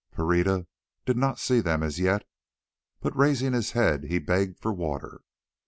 Pereira did not see them as yet, but raising his head he begged for water.